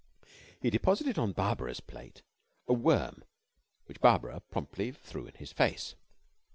He deposited on Barbara's plate a worm which Barbara promptly threw at his face.